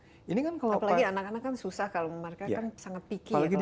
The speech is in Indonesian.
apalagi anak anak kan susah kalau mereka kan sangat picky kalau makan